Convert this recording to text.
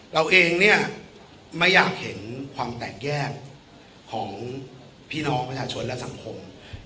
เราเองเนี่ยไม่อยากเห็นความแตกแยกของพี่น้องประชาชนและสังคม